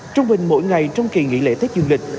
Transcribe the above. trung bình mỗi ngày trong kỳ nghỉ lễ tết dương lịch